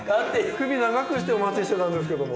首長くしてお待ちしてたんですけども。